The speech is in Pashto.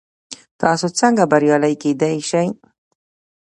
تاسو څنګه بریالي کیدی شئ؟